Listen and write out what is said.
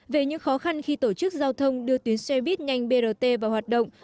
về những khó khăn khi tổ chức giao thông đưa tuyến xe buýt nhanh brt vào hoạt động